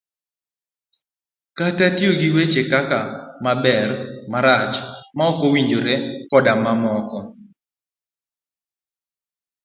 kata tiyo gi weche kaka" maber, marach, maok owinjore, " koda mamoko.